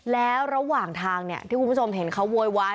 แล้วระหว่างทางที่คุณผู้ชมเห็นเขาโวยวาย